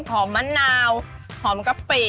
หอมมะนาวหอมกะปริ